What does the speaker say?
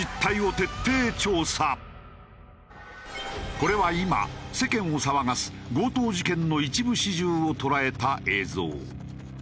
これは今世間を騒がす強盗事件の一部始終を捉えた映像。